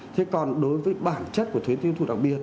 thế còn đối với bản chất của thuế tiêu thụ đặc biệt